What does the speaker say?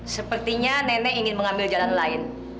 sepertinya nenek ingin mengambil jalan lain